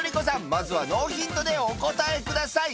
まずはノーヒントでお答えください